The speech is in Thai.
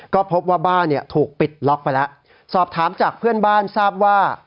ก็พบว่าบ้านเนี่ยถูกปิดล็อกไปแล้วสอบถามจากเพื่อนบ้านทราบว่า